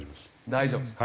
大丈夫ですか。